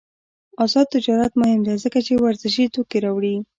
آزاد تجارت مهم دی ځکه چې ورزشي توکي راوړي.